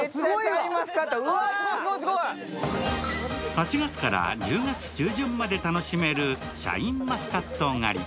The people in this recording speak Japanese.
８月から１０月中旬まで楽しめるシャインマスカット狩り。